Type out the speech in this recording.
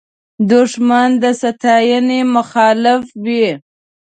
دښمن د ستاینې مخالف وي